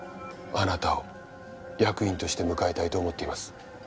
あなたを役員として迎えたいと思っています。